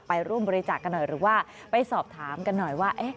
ไปร่วมบริจาคกันหน่อยหรือว่าไปสอบถามกันหน่อยว่า